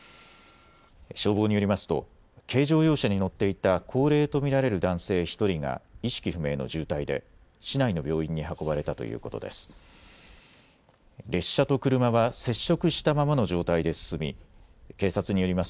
消防によりますと軽乗用車に乗っていた高齢と見られる男性１人が意識不明の重体で市内の病院に運ばれたということです。